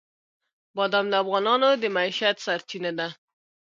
بادام د افغانانو د معیشت سرچینه ده.